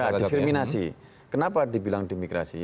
ya diskriminasi kenapa dibilang demokrasi